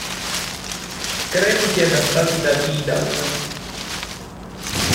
Crediti adattati da Tidal.